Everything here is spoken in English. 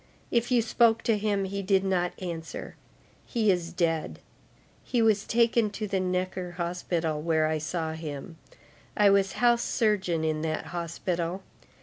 If you spoke to him, he did not answer. He is dead. He was taken to the Necker Hospital, where I saw him. I was house surgeon in that hospital.